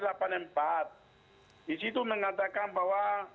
di situ mengatakan bahwa